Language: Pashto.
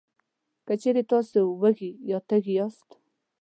که چېرې تاسې وږي یا تږي یاستی،